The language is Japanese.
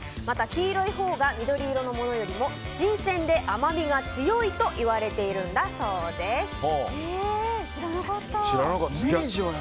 また黄色いほうが緑色のものより新鮮で、甘みが強いといわれているんだそうです。